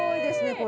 これ。